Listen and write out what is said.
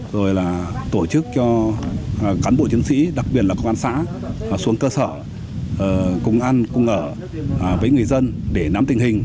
rồi là tổ chức cho cán bộ chiến sĩ đặc biệt là công an xã xuống cơ sở cùng ăn cùng ở với người dân để nắm tình hình